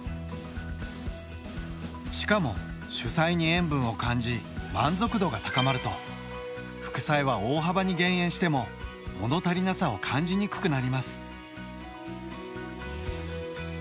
しかも主菜に塩分を感じ満足度が高まると副菜は大幅に減塩しても物足りなさを感じにくくなります。